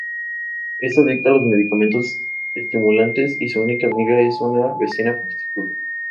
Es adicta a los medicamentos estimulantes y su única amiga es una vecina prostituta.